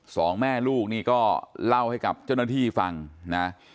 สองแม่ลูกนี่ก็เล่าให้กับเจ้าหน้าที่ฟังนะ